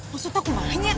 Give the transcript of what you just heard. maksud aku banyak